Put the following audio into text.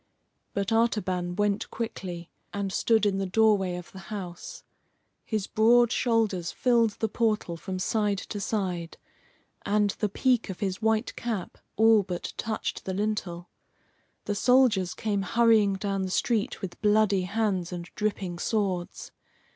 But Artaban went quickly and stood in the doorway of the house. His broad shoulders filled the portal from side to side, and the peak of his white cap all but touched the lintel. The soldiers came hurrying down the street with bloody hands and dripping swords.